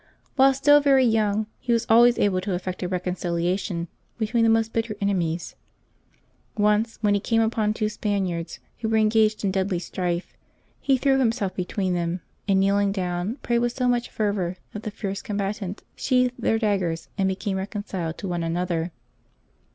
While still very young he was always able to effect a reconcilia tion between the most bitter enemies. Once, when he came upon two Spaniards who were engaged in deadly strife, he threw himself between them, and kneeling down prayed with so much fervor that the fierce combatants sheathed their daggers and became reconciled to one an other.